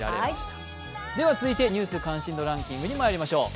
続いてニュース関心度ランキングにまいりましょう。